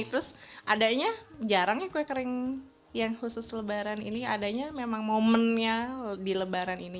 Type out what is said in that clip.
terus adanya jarang ya kue kering yang khusus lebaran ini adanya memang momennya di lebaran ini